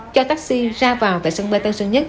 cho taxi ra vào tại sân bay tân sơn nhất